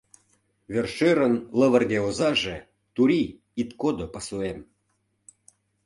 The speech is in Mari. Вер-шӧрын лывырге озаже — Турий, ит кодо пасуэм!